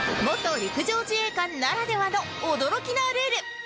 元陸上自衛官ならではの驚きのルール